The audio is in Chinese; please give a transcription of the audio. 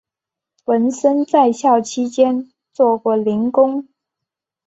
文森在校期间做过零工。